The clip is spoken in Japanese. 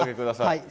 はい。